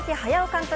監督